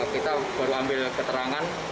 kita baru ambil keterangan